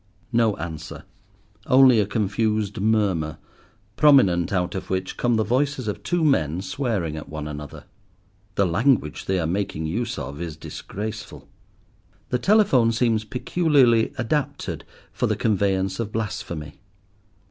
No answer, only a confused murmur, prominent out of which come the voices of two men swearing at one another. The language they are making use of is disgraceful. The telephone seems peculiarly adapted for the conveyance of blasphemy.